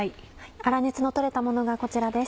粗熱のとれたものがこちらです。